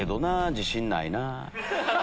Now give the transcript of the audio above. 自信ないなぁ。